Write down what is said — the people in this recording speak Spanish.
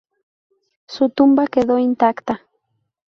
Su tumba quedó intacta.